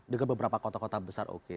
dengan beberapa kota kota besar oke